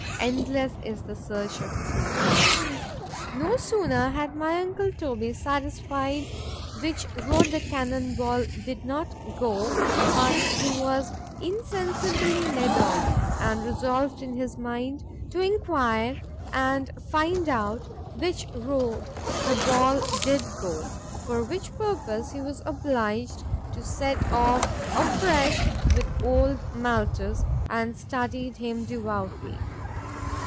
——Endless is the search of Truth. No sooner was my uncle Toby satisfied which road the cannon ball did not go, but he was insensibly led on, and resolved in his mind to enquire and find out which road the ball did go: For which purpose he was obliged to set off afresh with old Maltus, and studied him devoutly.